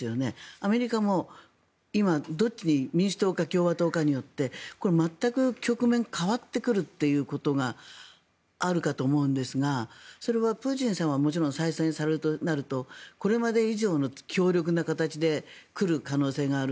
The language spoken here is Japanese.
アメリカも今、どっちに民主党か共和党かによって全く局面が変わってくるということがあるかと思うんですがそれはプーチンさんはもちろん、再選されるとなるとこれまで以上の強力な形で来る可能性がある。